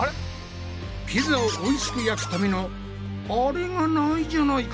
ピザをおいしく焼くための「アレ」がないじゃないか！